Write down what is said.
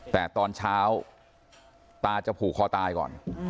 แต่ตอนเช้าตาจะผูกคอตายก่อน